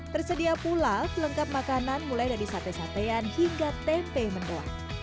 tersedia pula pelengkap makanan mulai dari sate satean hingga tempe mendoa